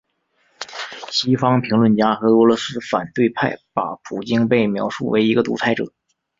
西方评论家和俄罗斯反对派把普京被描述为一个独裁者。